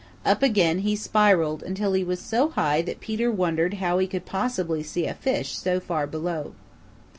Up again he spiraled until he was so high that Peter wondered how he could possibly see a fish so far below.